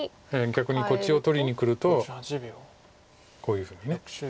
逆にこっちを取りにくるとこういうふうに。